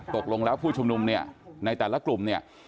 ตกลงแล้วผู้ชุมนุมเนี่ยในแต่ละกลุ่มเนี่ย